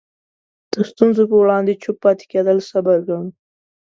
د ستونزو په وړاندې چوپ پاتې کېدل صبر ګڼو.